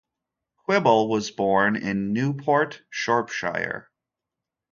Quibbell was born in Newport, Shropshire.